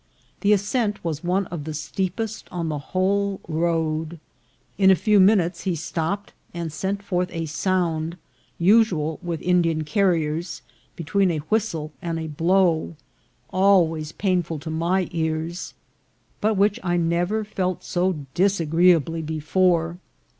The ascent was one of the steepest on the whole road. In a few minutes he stopped and sent forth a sound, usual with Indian car riers, between a whistle and a blow, always painful to my ears, but which I never felt so disagreeably before.